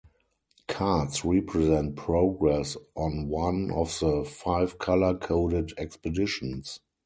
Cards represent progress on one of the five color-coded expeditions.